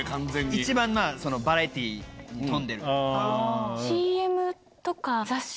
一番バラエティーに富んでる。